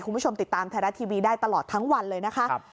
คุณผู้ชมติดตามไทยรัฐทีวีได้ตลอดทั้งวันเลยนะคะ